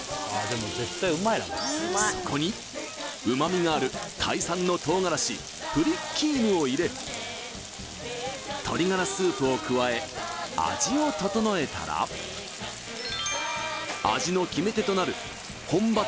そこに旨みがあるタイ産の唐辛子プリッキーヌを入れ鶏がらスープを加え味を調えたら味の決め手となる本場